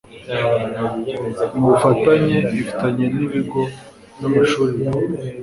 mu bufatanye ifitanye n'ibigo n'amashuri bikomeye